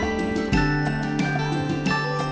bincang dengan sosok yang lucu dan imut